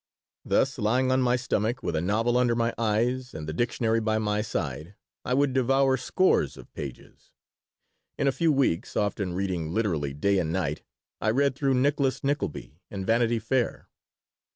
Thus, lying on my stomach, with a novel under my eyes and the dictionary by my side, I would devour scores of pages. In a few weeks, often reading literally day and night, I read through Nicholas Nickleby and Vanity Fair.